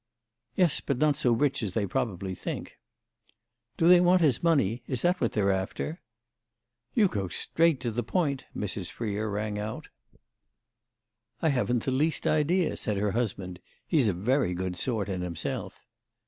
"Yes, but not so rich as they probably think." "Do they want his money? Is that what they're after?" "You go straight to the point!" Mrs. Freer rang out. "I haven't the least idea," said her husband. "He's a very good sort in himself."